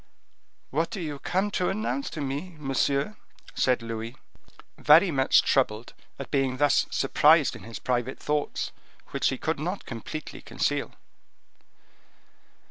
"What do you come to announce to me, monsieur?" said Louis, very much troubled at being thus surprised in his private thoughts, which he could not completely conceal.